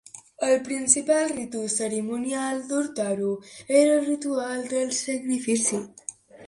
El principal ritu cerimonial d'Urartu era el ritual del sacrifici.